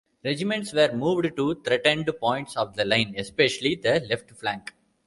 Regiments were moved to threatened points of the line, especially the left flank.